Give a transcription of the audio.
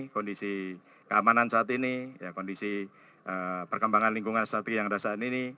kondisi keamanan saat ini kondisi perkembangan lingkungan strategi yang ada saat ini